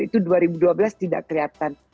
itu dua ribu dua belas tidak kelihatan